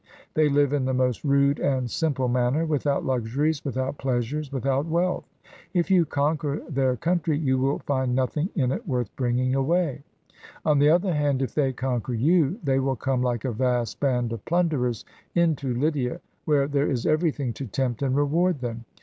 They live in the most rude and simple manner, without luxuries, without pleasures, without wealth. If you conquer their country, you wiU find nothing in it worth bringing away. On the other 315 PERSIA hand, if they conquer you, they will come like a vast band of plunderers into Lydia, where there is everything to tempt and reward them.